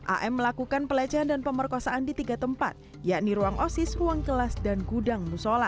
am melakukan pelecehan dan pemerkosaan di tiga tempat yakni ruang osis ruang kelas dan gudang musola